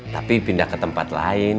tapi pindah ke tempat lain